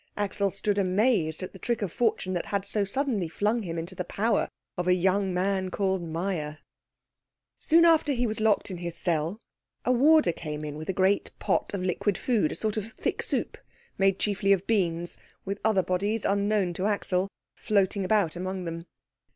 Axel stood amazed at the trick of fortune that had so suddenly flung him into the power of a young man called Meyer. Soon after he was locked in his cell, a warder came in with a great pot of liquid food, a sort of thick soup made chiefly of beans, with other bodies, unknown to Axel, floating about among them.